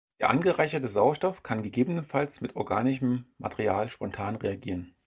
Der angereicherte Sauerstoff kann gegebenenfalls mit organischem Material spontan reagieren.